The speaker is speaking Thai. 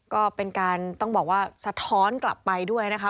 ก็เป็นการต้องบอกว่าสะท้อนกลับไปด้วยนะคะ